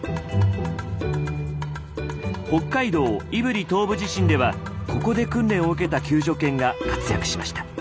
北海道胆振東部地震ではここで訓練を受けた救助犬が活躍しました。